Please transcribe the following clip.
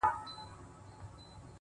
ستا غمونه مي د فكر مېلمانه سي؛